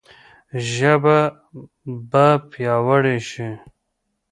ژبه به پیاوړې شي.